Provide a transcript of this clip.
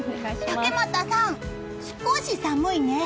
竹俣さん、少し寒いね。